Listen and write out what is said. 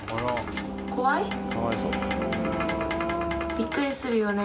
びっくりするよね